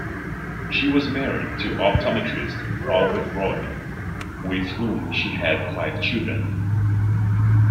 She was married to optometrist Albert Roy, with whom she had five children.